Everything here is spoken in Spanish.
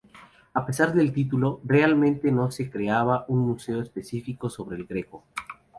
A pesar del título, realmente no se creaba un Museo específico sobre el Greco.